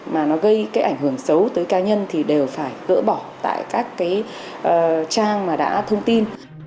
mà nó gây ảnh hưởng xấu tới ca nhân thì đều phải gỡ bỏ tại các trang mà đã thông tin